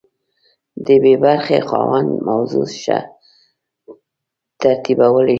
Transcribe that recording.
د بي برخې خاوند موضوع ښه ترتیبولی شي.